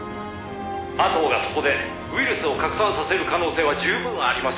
「阿藤がそこでウイルスを拡散させる可能性は十分あります」